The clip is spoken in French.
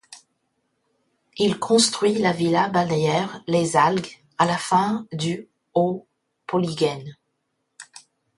Il construit la villa balnéaire Les Algues à la fin du au Pouliguen.